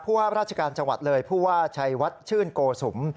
ว่าราชการจังหวัดเลยผู้ว่าชัยวัดชื่นโกสุม